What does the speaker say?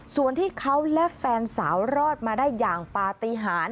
ส่วนที่เขาและแฟนสาวรอดมาได้อย่างปาติหาร